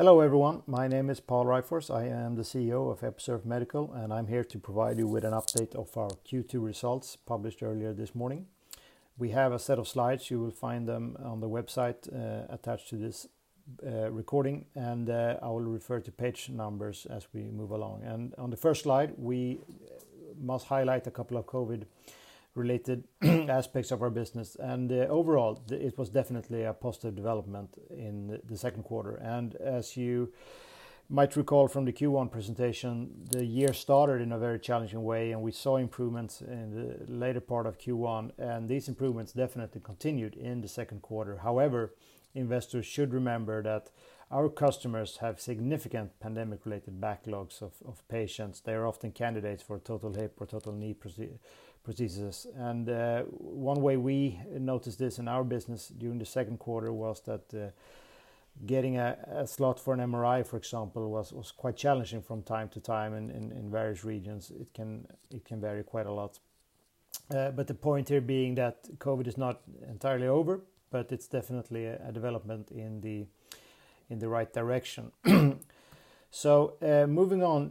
Hello, everyone. My name is Pål Ryfors. I am the CEO of Episurf Medical, and I'm here to provide you with an update of our Q2 results published earlier this morning. We have a set of slides. You will find them on the website, attached to this recording, and I will refer to page numbers as we move along. On the first slide, we must highlight a couple of COVID-related aspects of our business. Overall, it was definitely a positive development in the second quarter. As you might recall from the Q1 presentation, the year started in a very challenging way, and we saw improvements in the later part of Q1, and these improvements definitely continued in the second quarter. However, investors should remember that our customers have significant pandemic-related backlogs of patients. They are often candidates for total hip or total knee procedures. One way we noticed this in our business during the second quarter was that getting a slot for an MRI, for example, was quite challenging from time to time in various regions. It can vary quite a lot. The point here being that COVID is not entirely over, but it's definitely a development in the right direction. Moving on,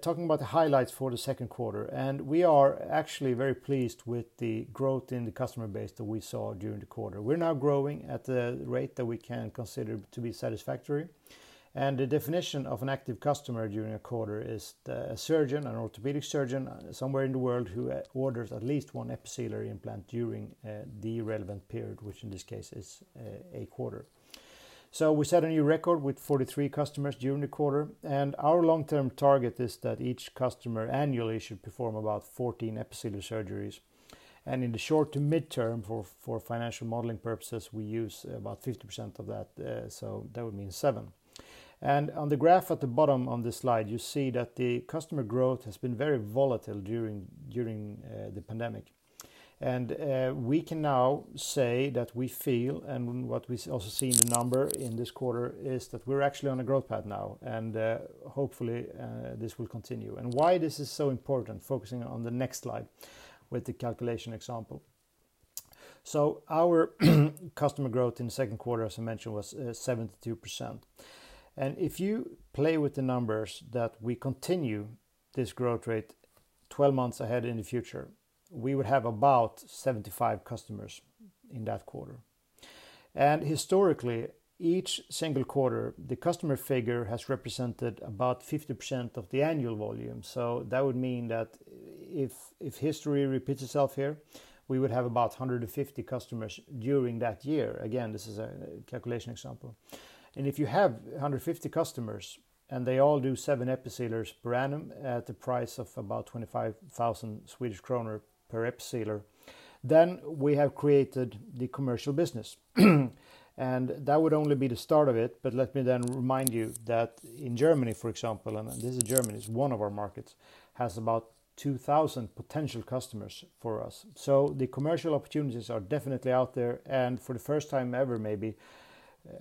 talking about the highlights for the second quarter, and we are actually very pleased with the growth in the customer base that we saw during the quarter. We're now growing at the rate that we can consider to be satisfactory. The definition of an active customer during a quarter is a surgeon, an orthopedic surgeon, somewhere in the world who orders at least one Episealer implant during the relevant period, which in this case is a quarter. We set a new record with 43 customers during the quarter. Our long-term target is that each customer annually should perform about 14 Episealer surgeries. In the short to mid-term for financial modeling purposes, we use about 50% of that, so that would mean seven. On the graph at the bottom on this slide, you see that the customer growth has been very volatile during the pandemic. We can now say that we feel, and what we also see in the number in this quarter, is that we're actually on a growth path now, and, hopefully, this will continue. Why this is so important, focusing on the next slide with the calculation example. Our customer growth in the second quarter, as I mentioned, was 72%. If you play with the numbers that we continue this growth rate 12 months ahead in the future, we would have about 75 customers in that quarter. Historically, each single quarter, the customer figure has represented about 50% of the annual volume. That would mean that if history repeats itself here, we would have about 150 customers during that year. Again, this is a calculation example. If you have 150 customers, and they all do seven Episealers per annum at the price of about 25,000 Swedish kronor per Episealer, then we have created the commercial business. That would only be the start of it. Let me then remind you that in Germany, for example, and this is Germany, it's one of our markets, has about 2,000 potential customers for us. The commercial opportunities are definitely out there. For the first time ever, maybe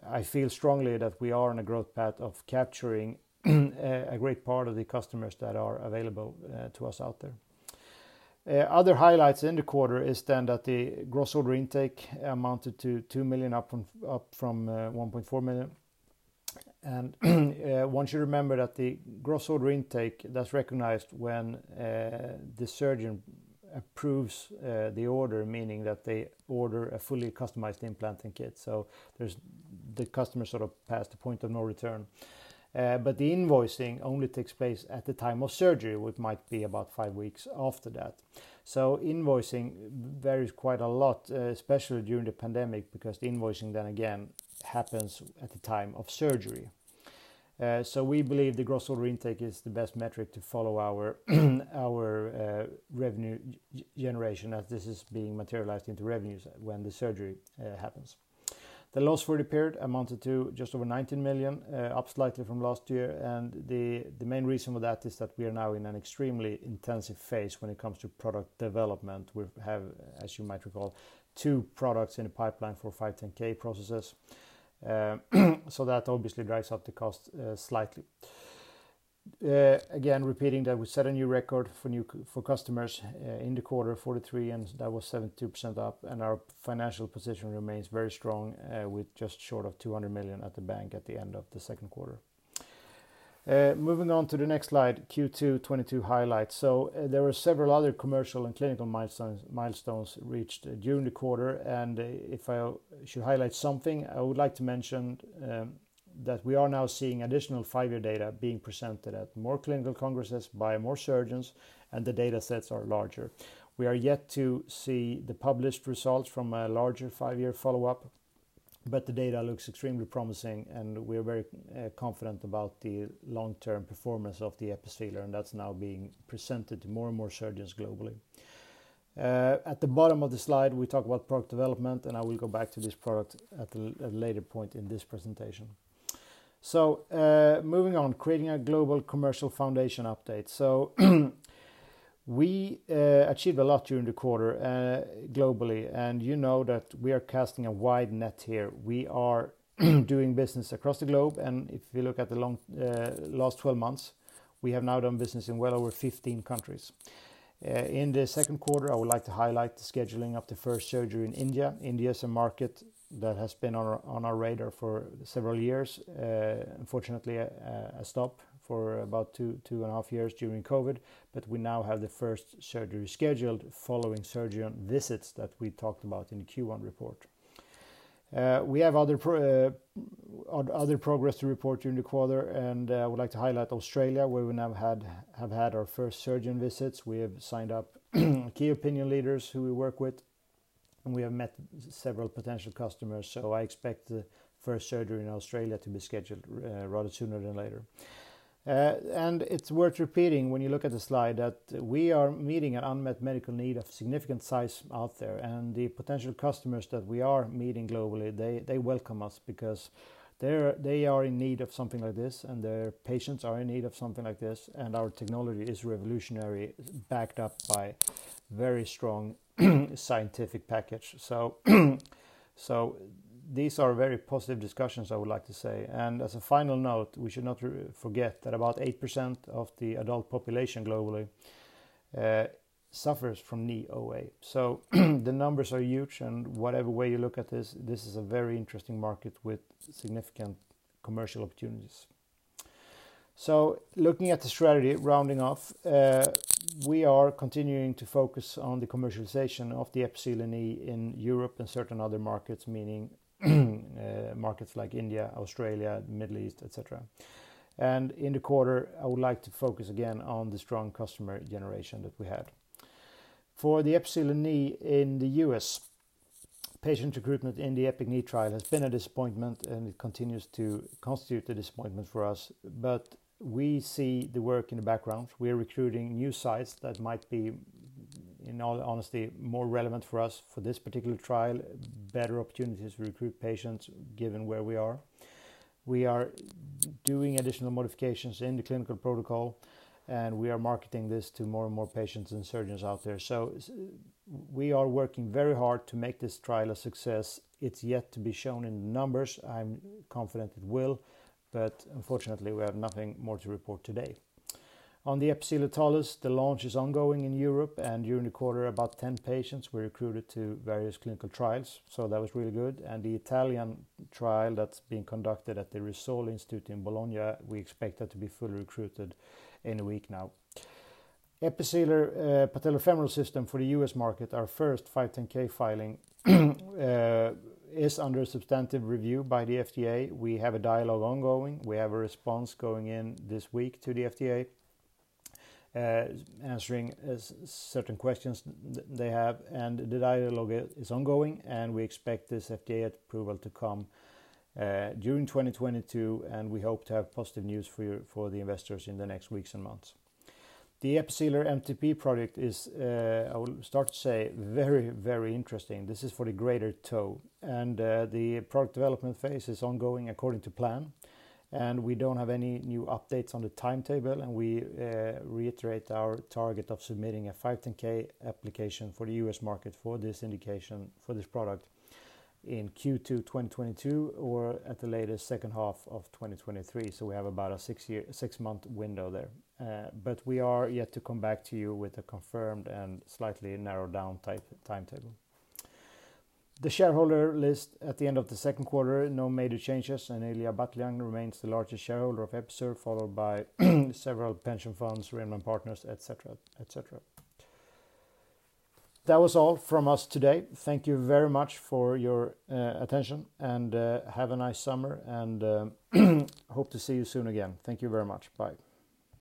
I feel strongly that we are on a growth path of capturing a great part of the customers that are available to us out there. Other highlights in the quarter is then that the gross order intake amounted to 2 million up from 1.4 million. I want you to remember that the gross order intake, that's recognized when the surgeon approves the order, meaning that they order a fully customized implant and kit. There's the customer sort of past the point of no return. The invoicing only takes place at the time of surgery, which might be about five weeks after that. Invoicing varies quite a lot, especially during the pandemic, because the invoicing then again happens at the time of surgery. We believe the gross order intake is the best metric to follow our revenue generation as this is being materialized into revenues when the surgery happens. The loss for the period amounted to just over 19 million, up slightly from last year. The main reason for that is that we are now in an extremely intensive phase when it comes to product development. We have, as you might recall, two products in the pipeline for 510(k) processes. That obviously drives up the cost slightly. Again, repeating that we set a new record for customers in the quarter, 43, and that was 72% up, and our financial position remains very strong with just short of 200 million at the bank at the end of the second quarter. Moving on to the next slide, Q2 2022 highlights. There were several other commercial and clinical milestones reached during the quarter. If I should highlight something, I would like to mention that we are now seeing additional five-year data being presented at more clinical congresses by more surgeons, and the data sets are larger. We are yet to see the published results from a larger five-year follow-up, but the data looks extremely promising, and we are very confident about the long-term performance of the Episealer, and that's now being presented to more and more surgeons globally. At the bottom of the slide, we talk about product development, and I will go back to this product at a later point in this presentation. Moving on, creating a global commercial foundation update. We achieved a lot during the quarter, globally, and you know that we are casting a wide net here. We are doing business across the globe, and if you look at the last 12 months, we have now done business in well over 15 countries. In the second quarter, I would like to highlight the scheduling of the first surgery in India. India is a market that has been on our radar for several years. Unfortunately, a stop for about 2.5 Years during COVID, but we now have the first surgery scheduled following surgeon visits that we talked about in the Q1 report. We have other progress to report during the quarter, and I would like to highlight Australia, where we now have had our first surgeon visits. We have signed up key opinion leaders who we work with, and we have met several potential customers. I expect the first surgery in Australia to be scheduled rather sooner than later. It's worth repeating when you look at the slide that we are meeting an unmet medical need of significant size out there, and the potential customers that we are meeting globally, they welcome us because they are in need of something like this, and their patients are in need of something like this, and our technology is revolutionary, backed up by very strong scientific package. These are very positive discussions, I would like to say. As a final note, we should not forget that about 8% of the adult population globally suffers from knee OA. The numbers are huge, and whatever way you look at this is a very interesting market with significant commercial opportunities. Looking at the strategy, rounding off, we are continuing to focus on the commercialization of the Episealer Knee in Europe and certain other markets, meaning markets like India, Australia, Middle East, et cetera. In the quarter, I would like to focus again on the strong customer generation that we had. For the Episealer Knee in the U.S., patient recruitment in the EPIC-Knee trial has been a disappointment, and it continues to constitute a disappointment for us. We see the work in the background. We are recruiting new sites that might be, in all honesty, more relevant for us for this particular trial, better opportunities to recruit patients given where we are. We are doing additional modifications in the clinical protocol, and we are marketing this to more and more patients and surgeons out there. We are working very hard to make this trial a success. It's yet to be shown in the numbers. I'm confident it will, but unfortunately, we have nothing more to report today. On the Episealer Talus, the launch is ongoing in Europe, and during the quarter, about 10 patients were recruited to various clinical trials, so that was really good. The Italian trial that's being conducted at the Rizzoli Institute in Bologna, we expect that to be fully recruited in a week now. Episealer Patellofemoral System for the U.S. market, our first 510(k) filing is under substantive review by the FDA. We have a dialogue ongoing. We have a response going in this week to the FDA, answering certain questions they have, and the dialogue is ongoing, and we expect this FDA approval to come during 2022, and we hope to have positive news for you, for the investors in the next weeks and months. The Episealer MTP project is, I will start to say very, very interesting. This is for the greater toe. The product development phase is ongoing according to plan, and we don't have any new updates on the timetable, and we reiterate our target of submitting a 510(k) application for the U.S. market for this indication, for this product in Q2 2022 or at the latest second half of 2023. We have about a six-month window there. We are yet to come back to you with a confirmed and slightly narrowed down timetable. The shareholder list at the end of the second quarter, no major changes, and Ilija Batljan remains the largest shareholder of Episurf, followed by several pension funds, Rhenman & Partners, et cetera, et cetera. That was all from us today. Thank you very much for your attention and have a nice summer and hope to see you soon again. Thank you very much. Bye.